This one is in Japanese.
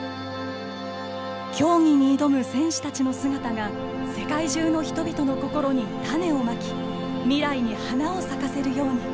競技に挑む選手たちの姿が世界中に人々の心に種をまき未来に花を咲かせるように。